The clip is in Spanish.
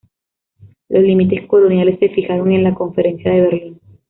Los límites coloniales se fijaron en la Conferencia de Berlín.